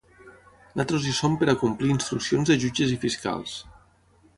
Nosaltres hi som per a complir instruccions de jutges i fiscals.